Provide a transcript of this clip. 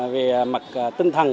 về mặt tinh thần